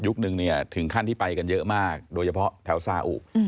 หนึ่งเนี่ยถึงขั้นที่ไปกันเยอะมากโดยเฉพาะแถวซาอุ